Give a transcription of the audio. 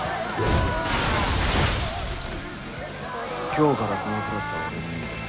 「今日からこのクラスは俺のもんだ」